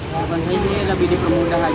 kalau saya ini lebih dipermudah aja